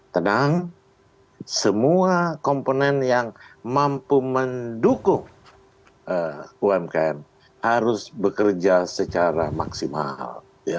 tenang semua komponen yang mampu mendukung umkm harus bekerja secara maksimal